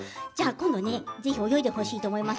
今度ぜひ泳いでほしいと思います。